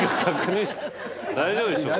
大丈夫でしょうね？